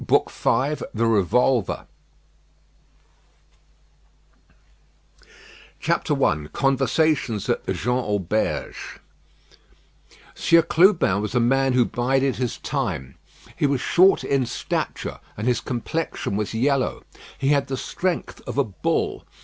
BOOK V THE REVOLVER I CONVERSATIONS AT THE JEAN AUBERGE Sieur Clubin was a man who bided his time. He was short in stature, and his complexion was yellow. He had the strength of a bull.